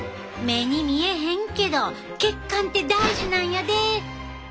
目に見えへんけど血管って大事なんやで。